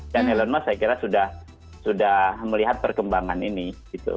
dan elon musk saya kira sudah melihat perkembangan ini gitu